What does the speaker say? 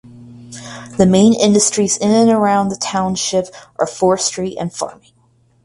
The main industries in and around the township are forestry and farming.